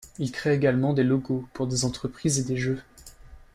Il crée également des logos pour des entreprises et des jeux.